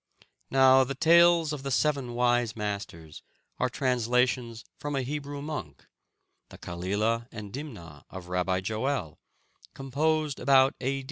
Now, the tales of the Seven Wise Masters are translations from a Hebrew work, the Kalilah and Dimnah of Rabbi Joel, composed about A.